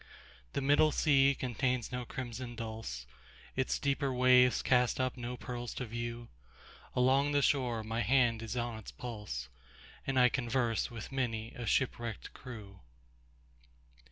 The middle sea contains no crimson dulse, Its deeper waves cast up no pearls to view; Along the shore my hand is on its pulse, And I converse with many a shipwrecked crew.